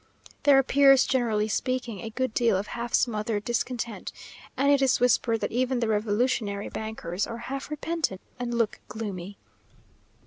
There appears, generally speaking, a good deal of half smothered discontent, and it is whispered that even the revolutionary bankers are half repentant and look gloomy.